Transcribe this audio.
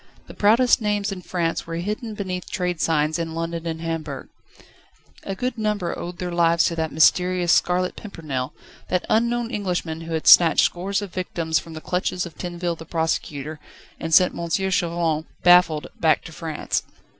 The proudest names in France were hidden beneath trade signs in London and Hamburg. A good number owed their lives to that mysterious Scarlet Pimpernel, that unknown Englishman who had snatched scores of victims from the clutches of Tinville the Prosecutor, and sent M. Chauvelin, baffled, back to France.